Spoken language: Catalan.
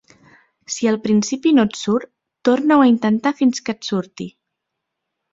Si al principi no et surt, torna-ho a intentar fins que et surti.